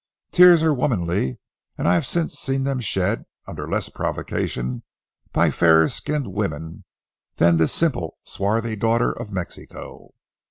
Tears are womanly; and I have since seen them shed, under less provocation, by fairer skinned women than this simple, swarthy daughter of Mexico.